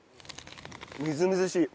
みずみずしい！